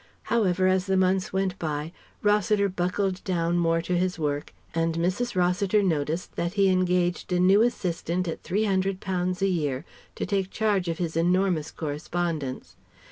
However as the months went by, Rossiter buckled down more to his work, and Mrs. Rossiter noticed that he engaged a new assistant at £300 a year to take charge of his enormous correspondence.